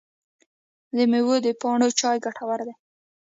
د میوو د پاڼو چای ګټور دی؟